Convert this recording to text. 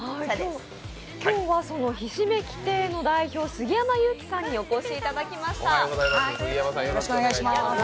今日は、そのひしめき亭の代表、杉山裕規さんにお越しいただきました。